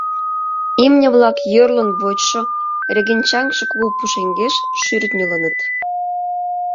Имне-влак йӧрлын вочшо, регенчаҥше кугу пушеҥгеш шӱртньылыныт.